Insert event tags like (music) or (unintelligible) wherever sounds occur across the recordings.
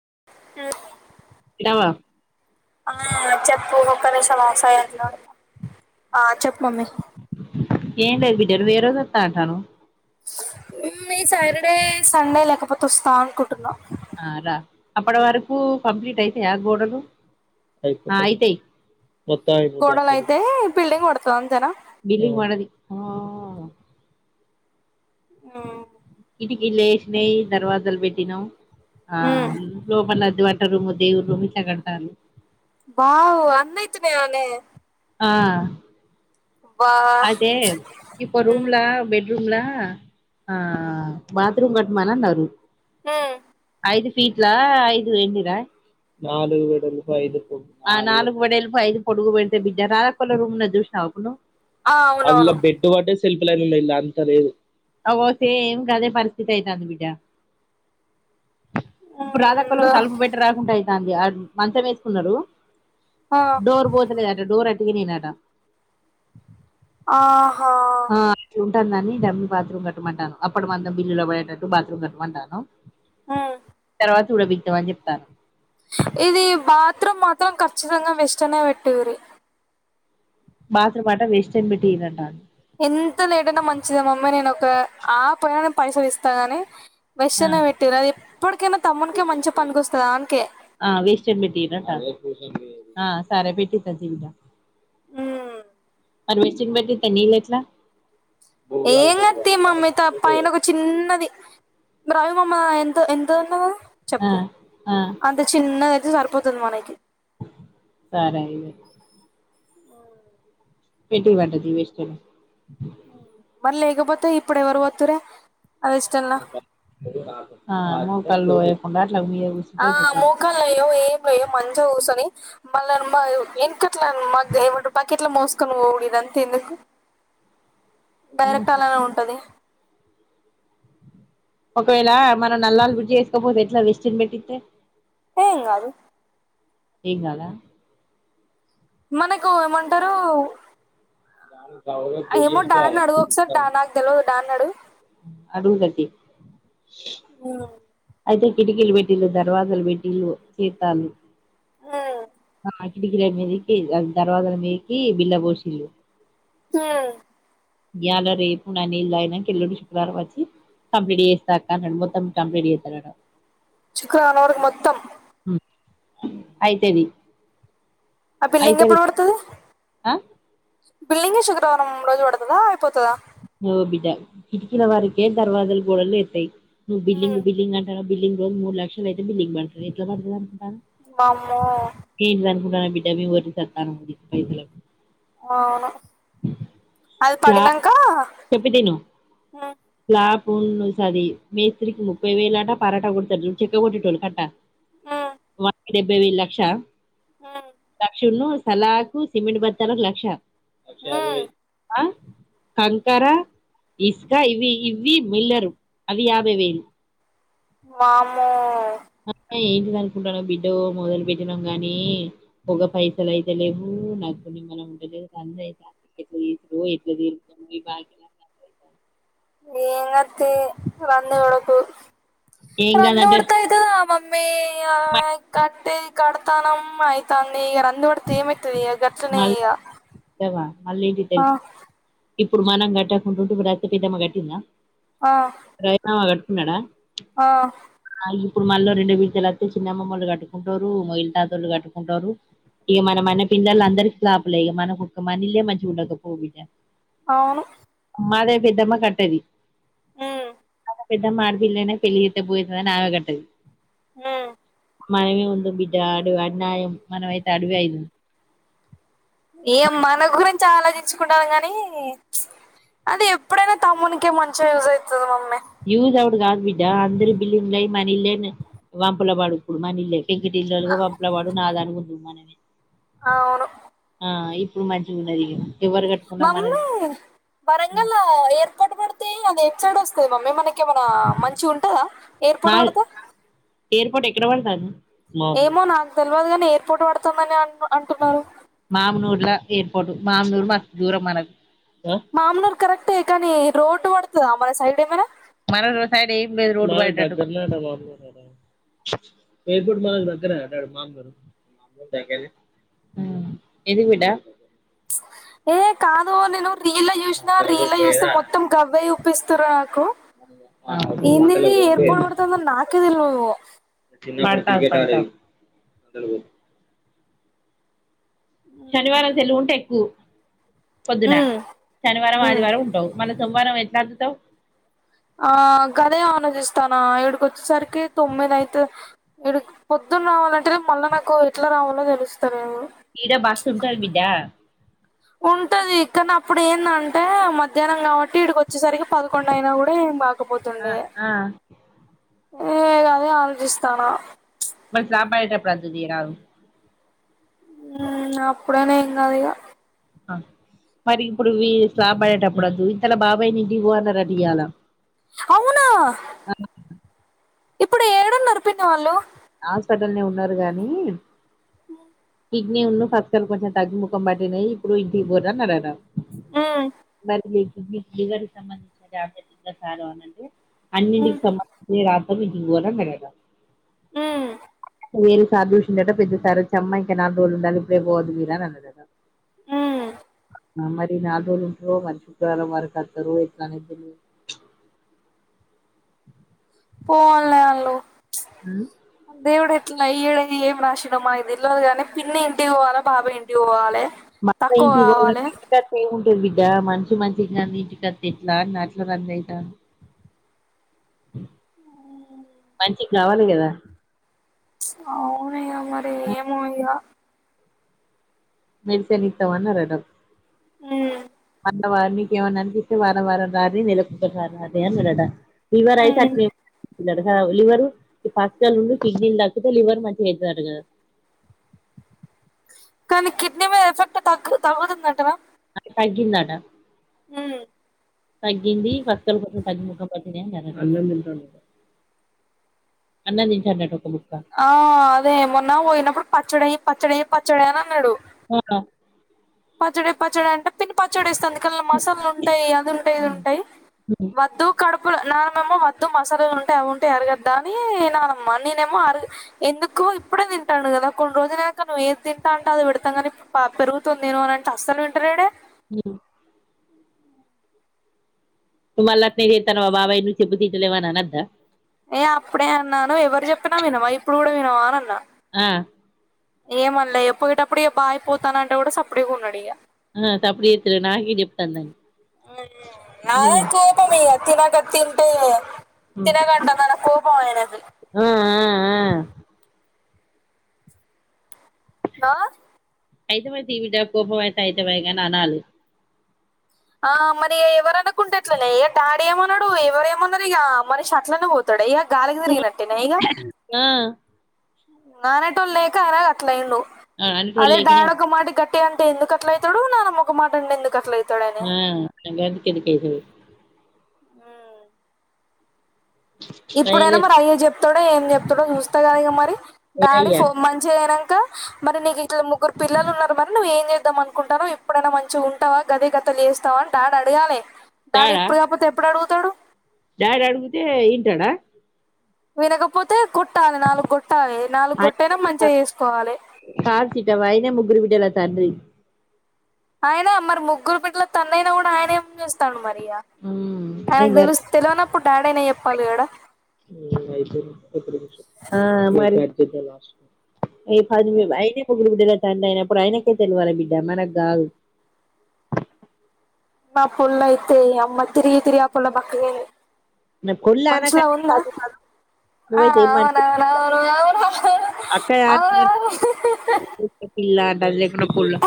(unintelligible) ఇలవ ఆ చెప్పు ఒక్క నిముషం ఆగ్ సైలెంట్లో ఆ చెప్పు మమ్మీ ఏం లేదు బిడ్డ నువ్వు ఎ రోజు ఒత్తఅంటనావ్ ఉమ్ ఈ సాటర్డే సండే లేకపోతే ఓస్థా అనుకుంటున్నా ఆ రా అప్పడి వరకు కంప్లీట్ అయితయా గోడలు ఆ అయితయి గోడల్ అయితై బిల్డింగ్ పడుతయ్ అంతేనా బిల్డింగ్ పడది ఆహ్ ఉమ్ ఇంటికిల్ లేశినాయ్ దర్వాజలు పెట్టినం ఆ ఉమ్ లోపల వంట రూమ్ దేవుడు రూమ్ ఇట్ల కడుతాళ్లు వావ్ అన్నయ్యాతునైనే ఆ అదే ఇప్పు ఉమ్ రూమ్ల బడ్ రూమ్లా ఆ బత్ రూమ్ కట్మానాన్నారు ఉమ్ ఐదు ఫీట్లా ఐదు ఎన్ని ర ఆహ్ నాలుగు వెడల్పు ఐదు పొడుగు పెడితే బిడ్డ రాధాక్కోలా రూమ్ ఉన్నది జూశ్న అపుడు ఆ అల్ల అవునవును బెడ్డు వడ్డెస్ అగొ సేమ్ గదే పరిస్థితి అయితాంది బిడ్డ ఇప్పుడు రాధక్కోలక్ ఉమ్ తలుపు బెట్ట రాకుంట అయితాంది అద్ మంచం ఎసుకున్నడు ఆ డోర్ బొతలేదట డోర్ అట ఇరిగిందట ఆ హ తందని డమ్మి బాత్రూమ్ కట్టమంటానం అప్పడ మందం బిల్లులో పోయేటట్టు బాత్రూమ్ కట్టమంటానం ఆ చ్ కూడా పికదామని చెప్తానం ఇది బాత్రూమ్ మాత్రం ఖచ్చితంగా వెస్టన్నె పెట్టియుర్రి బాత్రూమ్ అట వెస్టర్న్ పెటియర్రి అంటాంది ఎంత లేటయినా మంచిదే మమ్మీ నేను ఒక ఆహ్ పని పైసలు ఇస్త గని ఆ వెస్టన్నె పెటియురి అది ఎప్పటికైనా తమ్మున్కే మంచిగ పనికొస్తది వానికే అహ్ వేస్టన్ పేట్టియూరి అంటాంది అహ్ సరే పెట్టితతియ్ బిడ్డ ఊమ్ వెస్ట్రన్ పెట్టిస్తే నేనేట్ల ఏం లేధుతి మమ్మీతో పైనొక ఒక చిన్నది బ్రావి మామ ఎంత ఎంత దున్నదాది ఆ చెప్పు ఆ అంత చిన్నదయితే సరిప్ పోతది మనకి సరే ఇది హ ఎటువంటిది వెస్ట్రన్ మరి లేకపోతే ఇప్పుడు ఎవరు పోతుర్రే ఆహ్ నూకల్ పోయకుండా ఆహ్ మూకాలు ఏం పొయావ్ మంచిగా కూసొని మళ్ళ మా ఎన్క ట్ల మాక్ బకిట్లు మోసుకొని పోవుడు ఇదంతెందుకు డైరెక్ట్ ఆహా అలానే ఉంటది ఒకవేళ మనం నల్లాల్ ఫిట్ చెసుకోపోతే ఎట్లా వెస్టిన్ పెట్టితే ఎంగాదు ఏంగాద మనకు ఏమంటరూ అడుగు ఒకసారి డా నాకు తెలవదు డాడీని అడుగు (unintelligible) అడవిలోకి హ్మ్ అయితే కిటికీలు పెట్టిలు దర్వాజాలు పెట్టిలు చెత్తాలు హ్మ్మ్ హ కిటికీల మిదికి దర్వాజల మిదికి బీల్ల గోశిల్లు హ్మ్మ్ గియాల రేపు నా నీల్ తగినంక ఎల్లుండి శుక్రవారం ఒచ్చి కంప్లీట్ చేస్తా అక్క అన్నడు మొత్తం కంప్లీట్ చేత్తదట శుక్రవారం వరికు మొత్తం అయితెదీ ఆ బిల్డింగ్ ఎప్పుడు పడుతది ఆ బిల్డింగే శుక్రవారం రోజు పడుతదా అయిపోతదా వో బిడ్డ కిటికిల వారకే దర్వాజాలు గోడలు లెత్తయ్ నువ్ బిల్డింగ్ ఉమ్ బిల్డింగ్ అంటానవ్ బిల్డింగ్ రోజు మూడు లక్షలయితే బిల్డింగ్ పడుతది ఎట్ల పడతదనుకున్ వామ్మో రా బిడ్డ మేమ్ ఒర్రి సత్తానం గి పైసలకు అవును అది పడినంకా చేపిటిని లా మ్మ్ సరీ మేస్తికి ముప్పైవేలట పరాట గోడతే చెక్క కొట్టేటోళ్ళు కట్టా ఉమ్ వాడికి డెబ్బేవేల్లక్ష లక్షేమో సలాకు సిమెంట్ బత్తలకు లక్ష ఉమ్ కంకర ఇస్క ఇవి ఇవ్వి బిల్డరు అవి యాభైవేలు వామ్మో ఆ ఏంటిదనుకుంటానవ్ బిడ్డో మొదలు పెట్టినాం గానీ ఒక పైసలైయితే లెవ్వు ఎప్పుడు నాకు నిమ్మల ఉంటలేదు రందైతాంది ఎట్లా చేసుడు ఎట్లా తిరుతం ఈ బాకీలంతా పోయితాన ఈమద్దె రందివడకు ఏం కాదంటే రంధివుడ్తే అయితదా మమ్ నీయవ్వ కట్టేది కడతానం అయితాంది ఈగ రందివడుతే ఏమైతది ఇగ గట్ స్తున్నాయి ఇగ ఎల్ అల్లెంటిది ఆ తెలుసు ఇప్పుడు మనం గట్టకుంటుంటే ఇప్పుడు రత్తి పెద్దమ్మ గట్టిందా? ఆ రాఖీ మామ కట్టుకున్నాడా? ఆ ఉహ్ ఇప్పుడు మళ్ళ రెండే మిద్దెలు అత్తె చిన్న అమ్మమొల్లు గట్టుకుంటరు మోగిలి తాతోళ్లు గట్టుకుంటరు. ఇగ మన మన్నే పిల్లల అందరికీ స్లాపులే ఇగ మనకు ఒక మనిల్లే మంచిగుండకపోవుబిడ్డ ఆను మాదే పెద్దమ్మ కట్టేది. ఉమ్మ్ పెద్దమ్మ అడిపిల్లనే పెళ్లియేత్తే బోయె క అని ఆమె కట్టది. ఉమ్మ్ మనమేముంది బిడ్డ అడు అన్యాయం మనమైతే అడివైంది ఏం మన గురించి ఆలోచించుగున్టామ్ గానీ చుప్ అది ఎప్పుడైనా తమ్మునికే మంచిగా యుజ్ ఐతది మమ్మీ యూజ్ అవుడ్ గాదు బిడ్డ అందరూ బిల్లింగ్ అయి మనిల్లే వంపల వాడుకుడు మన ఇల్లే పెంకిటిల్లోలు గా వాంప్లవోలవడు నాదానుగుండవు మననే ఆవును ఆ ఇప్పుడు మంచిగున్నది ఇగ ఎవరు కట్టుకున్నా మనది మమ్మీ వరంగలో ఎయిర్పోర్ట్ పేడితే అది ఎట్సైడొస్తది మమ్మీ మనక్ కే మన మంచిగ ఉంటదా నా ఎయిర్పోట్ వెడుతె ఎయిర్పోర్ట్ ఎక్కడ వడతాంన్న ఏమో నాక్ తెల్వద్ గని ఎయిర్పోర్టు వడుతుందని అ అంటున్నారు మామ్ నూర్ల ఎయిర్పోట్ మామ్ నూరు మస్తుదూరం మనది మామ్ నూరు కరెక్టే కానీ రోడ్డు వడుతదా మనసైడ్ ఏమన్నా మన రోడ్ సైడ్ ఏం లేదు రోడ్ బైట ఏర్పోర్ట్ మనకి దగ్గరే న డాడి మామ్నూర్ ఉమ్మ్ మామునూర్ దగ్గరే ఆ ఎంది బిడ్డ ఏ కాదు నేను రీల యుషిన రీల యుస్తే మొత్తం గవ్వే చూ పిస్తరు నాకు ఎందిది ఏర్పోట్ వడుతందనీ నాకే తెల్వదు (unintelligible) విన్నా అంటె శనివారం సెల్వుంటే ఎక్కు పొద్దున ఉమ్, శనివారం, ఉమ్. ఆదివారం ఉంటవ్ మల్ల సోమవారం ఎట్లా అందుతవ్ ఆ గదే ఆలోచిస్తానా ఇడికి ఓచ్చేసరికి తొమ్మిదయితే ఇడికి పో పొద్దున రావాలంటే మళ్ళా నాకు ఎట్ల రావాలో దెలుస్త లేదు ఈడ బస్సు ఉంటది బిడ్డా ఉంటది కానప్పుడు ఏందంటే మధ్యానం కావట్టి ఇడి చిచ్చేసరికి పదకొండయినా గూడా ఏం ఆ గాకపోతుండే. ఆ ఏ ఇగ అదే ఆలోచిస్తానా వద్దు ధియరాదు ఉమ్ అప్పుడైన ఏం కాద్ ఇగ అ మరి ఇప్పుడు మి స్లాబ్ అయ్యేడపుడు అద్దు ఇంతల బాబాయ్ ని ఇంటికి పొ అన్నరట ఇయాల అవునా? ఇప్పుడు ఏడ ఉన్నరు పిన్ని వాల్లు హాస్పటల్నే ఉన్నరు గానీ ఉ కిడ్నీలు పక్కలు కొంచెం తగ్గిముఖం బట్టినయ్ ఇప్పుడు ఇంటికి పోర్రి అన్నరు అన్నం ఆ కిడ్నీకి, లివర్ కి సంబంధించిన టాబ్లెట్ ఎట్ల సారు అని అంటే మ్మ్ అన్నింటింకి సంబందించినవి కావు. అవి ఇంటికి పోరా అన్నాడట. ఉమ్ వేరే సార్ చూసిండట పెద్ద సార్ ఒచ్చి అమ్మ ఇంక నాలుగు రోజలు ఉండాలి. ఇప్పుడే పొవద్దు మీరు అని అన్నరట. ఉమ్ మరి ఈ నాలుగు రోజలు ఉంటరో మరి, శుక్రవారం వరకు ఓతరో ఎట్ల అనేది తెల్వదు. ప్చ్ (inaudible) పోఅన్లే ఆళ్ళు ఉచ్ దేవుడు ప్చ్ ఈ ఇ యేడు ఏం రాసిండో మాక్ తెల్వద్ గాని. పిన్ని ఇంటికి పోవాలె, బాబాయ్ ఇంటి పోవాలె మా అత్త ఇంటికి పోవాలా ఇంటి కాడ చేయవు. తో బిడ్డ మంచి మంచి గానిది ఇంటికి అద్దె ఎట్ల అని అట్ల రంది అయితాన్ది. (inaudible) ఇ గావాలి గదా అవున్ ఇగ మరి ఏమో ఇగ మెడిసిన్ ఇత్తం అన్నరట. ఉ అ నీకుమైనా అనిపితే వారవారం రార్రి నెలకి ఒకసారి రార్రి అనరట. ఫీవర్ అయితే మ్మ్ అట్లే బ్లడ్ కావ్ లివర్ పస్కలు ఉండి కిడ్నీలు తక్కితే లివర్ మంచిగా అయితది అంటగాద. (inaudible) కానీ కిడ్నీ మీద ఎఫెక్ట్ తగ్ తగ్గుతుందంటవ అది తగ్గిందట మ్మ్ తగ్గింది పస్కలు కొంచం తగ్గుముఖం ఏం జేత్తాండు అన్నం తింటాండు, అన్నం తింటాడంట బు ఆ అదేమొన్న పోయినప్పుడు పచ్చడేయ్, పచ్చడేయ్, పచ్చడేయ్ అని అన్నడు. అవున పచ్చడయ్ పచ్చడయ్ అంటే పిన్ని పచ్చడి ఏస్తుంది. కల్ మసల్లు ఉంటయ్ అదిఉంటయ్, ఇదిఉంటయ్ వద్దు కడుపుల న ఏమో వద్దు మసాలలు ఉంటయ్, అవి ఉంటయ్ అరగొద్ద అని నానమ్మ నేన్ ఏమో అర్ ఎందుకు ఇప్పుడే తి తింటాండు గద కొన్ని రోజులఐనక నువ్వు ఏది తింటా అంటె అది పెడ్తం గని ఇప్పుడు పెరుగుతొ నేన్ ఎమన్న అంటె అసల్ వింటలేడే ఊ నువ్ మల్ల అట్లనే చేతనవ బాబాయ్ చెప్తేఇంటలేవ్ అనొద్ద ఏ అప్పుడే అన్నాను. ఎవరు చెప్పిన వినవా ఇప్పుడు గుడ వినవా అని అన్న ఆ ఏమన్లే ఇగ పోయేటప్పుడె ఇగ బాయ్ పోతనఅంటె గుడ సప్పుడేక ఉన్నడ్ ఇగ ఆ సపుడ్ చేతలెడ్ నాకే చెప్తాండ్అని మ్ నాదే కోపం ఇగ తినగా తింటే ఉమ్ తినగడ్డ అన్నాడ కోపం ఆయనకి ఆ ఆ ఆ లా అయితమాయే తియ్ బిడ్డ కోపం అయితే అయితమే గాని అనాలి ఆ మరి ఇగ ఎవర్ అనకుంటే ఏట్లనే ఇగ డాడ్ ఏమో అన్నడు ఎవరేమన్నరు ఇగ మనిషి అట్లనే పోతడ ఇగ గాలికి తిరిగినట్టేన ఇగ ఆ ఉ అనేటోళ్ళు లేక ఆయన గట్ల అయిండు ఆ అనేటోళ్ళు అదే లేకనే డాడ్ ఒక మాట గ తే అంటే ఎందుకు అట్లా అయితాడు. నానమ్మ ఒక మాట అంటే ఎందుకు అట్లా మ్ తిన్నగా తినిపియ్యదు. ఉమ్ ఇప్పుడైనా భయంలే మరి అయ్య చెప్తాడో ఏం చెప్తాడో చూస్తే కదా ఇగ. మరి డాడీ ఏమయ్యా ఫోన్ మంచి అయినా గా మరి నీకు ఇంట్ల ముగ్గురు పిల్లలు ఉన్నారు మరి నువ్ ఏం చేద్దాం అనుకుంటానవ్ ఇపుడైయినా మంచిగా ఉంటావా గదే కథ పెళ్లి చేస్తావా అని డాడీ అడగాలె డాడీ తాడా ఇప్పుడు కాపోతే ఎప్పుడు అడుగుతాడు డాడీ అడుగుతే ఇంటడ వినకపోతే కొట్ కొట్టాలె నాలుగు కొట్టాలె నాలుగు కొట్టియినా ఆయనే కా మంచిగా చేసుకోవాలె కాదు సీతవ్వ ఆయనే ముగ్గురు బిడ్డల తండ్రి ఆయన మరి ముగ్గురు బిడ్డల తండ్రి అయినా కూడా ఆయన ఏం చేస్తాండు మరి య్యా ఆయనకు అయ్యింగారు తెలుసు తెలవనప్పుడు డాడీ అనే చెప్పాలి కడ ఆ మరి ఇగ పది వెయి అయినే ముగ్గురు బిడ్డల తండ్రి అయినప్పుడు ఆయనకే తెలివాలె బిడ్డ మనకు కాదు మా పొల్ల అయితే అమ్మ తిరిగి తిరిగి పొల్ల బక్కగ అయింది నా పొళ్ల (unintelligible) ఆ నువైతే ఎం మనిషి అవునవునవును (unintelligible) అవును అవునవును (unintelligible) లేకుంటే గోరం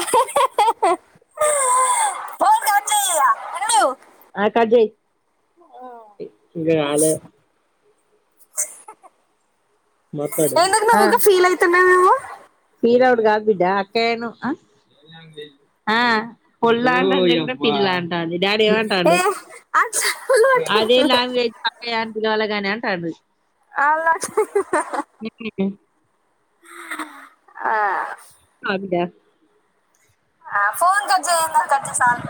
ఫోన్ కట్ చేయ్ ఇగ ఉండు ఆ కట్ చెయ్ ఆ మాట్లాడు ఎందుకు నువ్వు ఆ ఊక ఫీల్ అయితున్నావ్ నువ్వు ఫీల్ అవుడు కాదు బిడ్డ అక్కయ ను ఆ పొల్లా అంటది లేకుంటే పిల్ల అంటది డాడీ ఎమ్ ఏ అంటాడు అట్లా అదేం లాంగ్వేజ్ అక్కయ్య అని పిలవాలి గని అంటడు అల్ల ఆ అ బిడ్డ ఆ ఫోన్ కట్ చేయ్ ఏంకద్ కట్ చెయ్ సాల్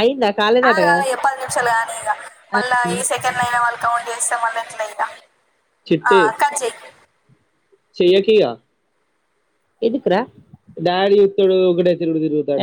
అయిందా ఆగా ఆగా కాలేదటగా ఇగ పది నిమిషాలు కానీ ఇక మళ్ళా ఈ సెకండ్ల్యన వాళ్ళ కౌంట్ చేస్తె మళ్ళ ఎట్లా ఇగ ఆ కట్ చెయ్ ఎందుకు రా